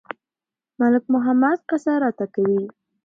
ملک محمد قصه راته کوي.